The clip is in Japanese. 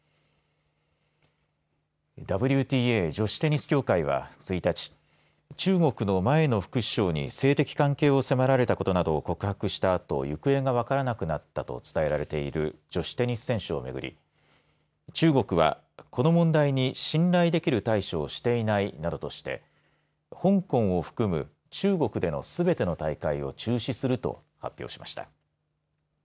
ＷＴＡ、女子テニス協会は１日中国の前の副首相に性的関係を迫られたことなど告白したあと行方が分からなくなったと伝えられている女子テニス選手をめぐり中国は、この問題に信頼できる対処をしていないなどとして香港を含む中国でのすべての大会を中止すると発表しました。